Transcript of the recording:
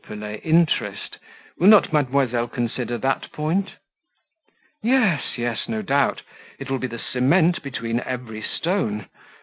Pelet interest. Will not mademoiselle consider that point?" "Yes, yes, no doubt; it will be the cement between every stone.